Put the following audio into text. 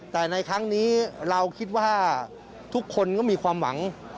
แต่ในครั้งนี้เราคิดว่าทุกคนก็มีความหวัง